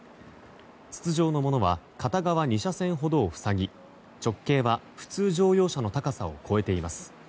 筒状のものは片側２車線ほどを塞ぎ直径は普通乗用車の高さを超えています。